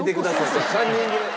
それカンニング。